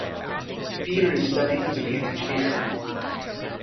Peter is studying to be an engineer.